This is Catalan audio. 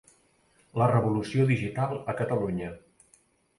La revolució digital a Catalunya.